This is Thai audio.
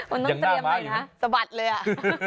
หน้าม้ากลับเลยนะตกสะพัดเลยอะ